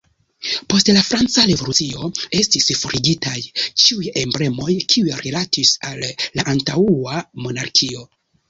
Post la Franca Revolucio estis forigitaj ĉiuj emblemoj, kiuj rilatis al la antaŭa monarkio.